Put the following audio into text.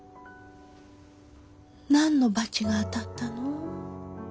何のバチが当たったの？